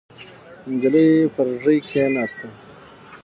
نجلۍ پر ژۍ کېناسته.